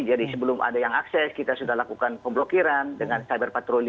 jadi sebelum ada yang akses kita sudah lakukan pemblokiran dengan cyber patroli